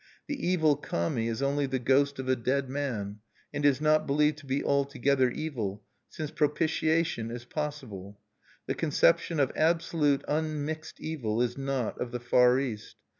The evil Kami is only the ghost of a dead man, and is not believed to be altogether evil, since propitiation is possible. The conception of absolute, unmixed evil is not of the Far East.